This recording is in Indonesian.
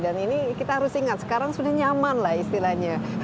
dan ini kita harus ingat sekarang sudah nyaman lah istilahnya